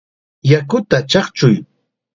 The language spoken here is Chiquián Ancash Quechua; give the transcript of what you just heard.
¡Yakuta chaqchuy!